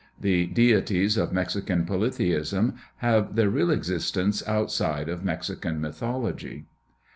The deities of Mexican polytheism have their real existence outside of Mexican mythology.